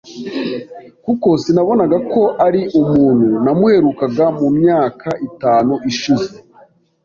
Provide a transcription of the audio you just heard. kuko sinabonaga ko ari umuntu namuherukaga mu myaka itanu ishize